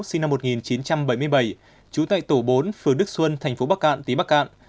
sinh năm một nghìn chín trăm bảy mươi bảy trú tại tổ bốn phường đức xuân thành phố bắc cạn tỉnh bắc cạn